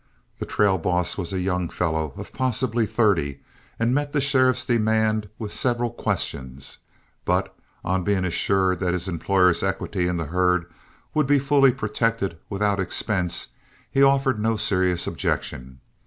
The trail boss was a young fellow of possibly thirty, and met the sheriff's demand with several questions, but, on being assured that his employer's equity in the herd would be fully protected without expense, he offered no serious objection.